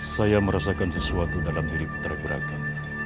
saya merasakan sesuatu dalam diri putra